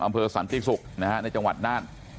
อำเภอสันติริสุกนะฮะในจังหวัดนาท